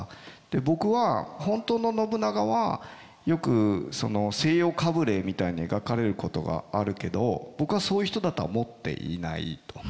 僕は本当の信長はよく西洋かぶれみたいに描かれることがあるけど僕はそういう人だと思っていないと。